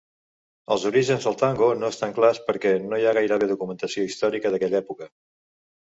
Els orígens del tango no estan clars perquè no hi ha gairebé documentació històrica d'aquella època.